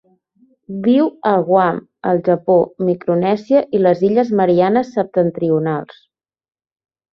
Viu a Guam, el Japó, Micronèsia i les Illes Mariannes Septentrionals.